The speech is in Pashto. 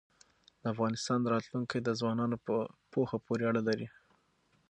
د افغانستان راتلونکی د ځوانانو په پوهه پورې اړه لري.